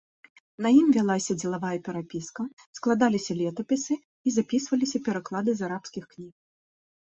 На ім вялася дзелавая перапіска, складаліся летапісы і запісваліся пераклады з арабскіх кніг.